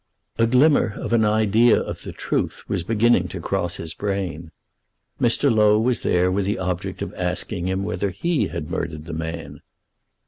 A glimmer of an idea of the truth was beginning to cross his brain. Mr. Low was there with the object of asking him whether he had murdered the man!